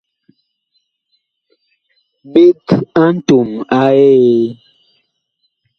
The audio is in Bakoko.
Ɓet a ntom a Eee.